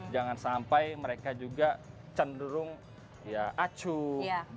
jangan sampai mereka juga cenderung ya acuh